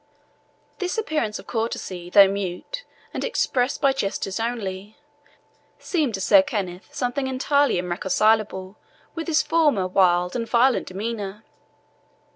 This appearance of courtesy, though mute, and expressed by gestures only, seemed to Sir Kenneth something entirely irreconcilable with his former wild and violent demeanour.